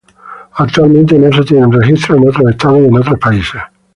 Actualmente no se tienen registros en otros estados y en otros países.